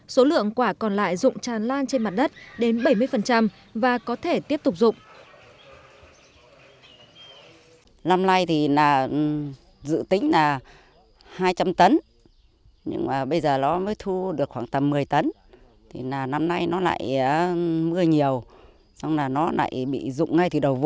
số lượng quả còn lại dụng tràn lan trên mặt đất đến bảy mươi và có thể tiếp tục dụng